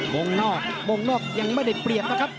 วงนอกวงนอกยังไม่ได้เปรียบนะครับ